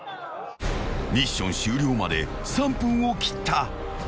［ミッション終了まで３分を切った］